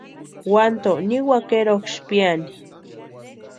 Uantoo niwaka eroksï piaani.